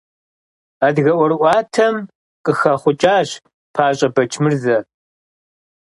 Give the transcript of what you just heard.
Адыгэ ӀуэрыӀуатэм къыхэхъукӀащ ПащӀэ Бэчмырзэ.